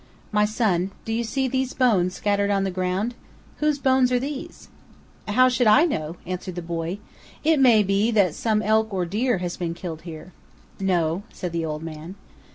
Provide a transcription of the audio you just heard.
"My son, do you see these bones scattered on the ground? Whose bones are these?" "How should I know?" answered the boy. "It may be that some elk or deer has been killed here." "No," said the old man.